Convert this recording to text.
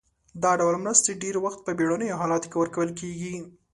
دا ډول مرستې ډیری وخت په بیړنیو حالاتو کې ورکول کیږي.